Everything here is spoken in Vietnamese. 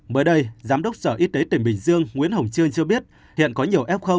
mới đây giám đốc sở y tế tỉnh bình dương nguyễn hồng trương cho biết hiện có nhiều f